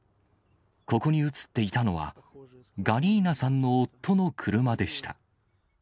ここに写っていたのは、ガリーナさんの夫の車でした。